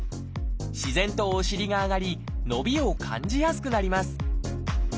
自然とお尻が上がり伸びを感じやすくなります